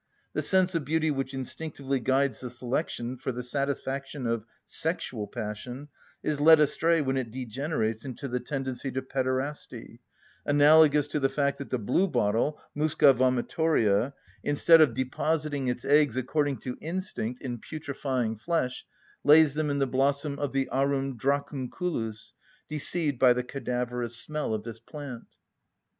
The sense of beauty which instinctively guides the selection for the satisfaction of sexual passion is led astray when it degenerates into the tendency to pederasty; analogous to the fact that the blue‐bottle (Musca vomitoria), instead of depositing its eggs, according to instinct, in putrefying flesh, lays them in the blossom of the Arum dracunculus, deceived by the cadaverous smell of this plant.